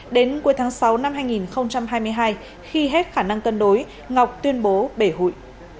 đến cuối tháng sáu năm hai nghìn hai mươi hai khi hết khả năng cân đối ngọc tuyên bố bể hụi